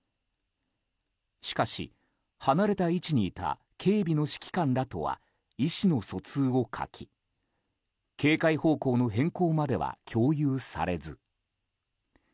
しかし、離れた位置にいた警備の指揮官らとは意思の疎通を欠き警戒方向の変更までは共有されず。